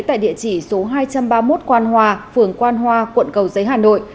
tại địa chỉ số hai trăm ba mươi một quan hòa phường quan hoa quận cầu giấy hà nội